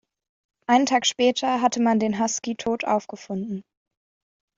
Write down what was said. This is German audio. Einen Tag später hatte man den Husky tot aufgefunden.